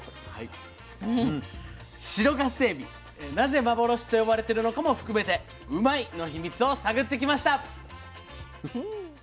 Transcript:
白ガスエビなぜ幻と呼ばれてるのかも含めてうまいッ！の秘密を探ってきました。